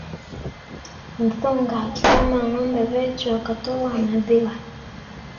N'thunga akikama ng'ombe vechu akatowa madhiwa